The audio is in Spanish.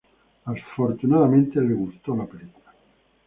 Afortunadamente le gustó la película.